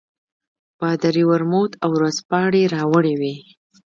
پادري ورموت او ورځپاڼې راوړې وې.